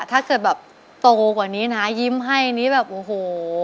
ถ้าเกิดแบบโตกว่านี้นะยิ้มให้นี่แบบโอ้โห